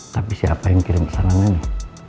tapi siapa yang kirim pesanannya nih